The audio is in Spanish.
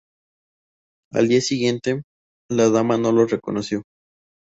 Al día siguiente, la dama no lo reconoció.